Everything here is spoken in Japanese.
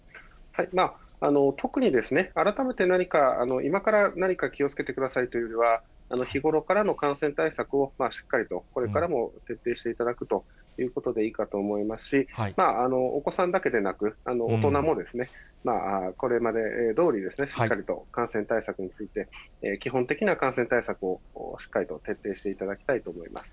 特に改めて何か、今から何か気をつけてくださいというよりは、日頃からの感染対策を、しっかりとこれからも徹底していただくということでいいかと思いますし、お子さんだけでなく、大人もこれまでどおりしっかりと感染対策について、基本的な感染対策をしっかりと徹底していただきたいと思います。